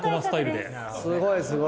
すごいすごい。